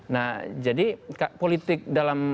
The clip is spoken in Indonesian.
nah jadi politik dalam